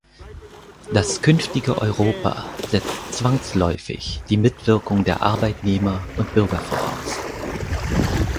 Das künftige Europa setzt zwangsläufig die Mitwirkung der Arbeitnehmer und Bürger voraus.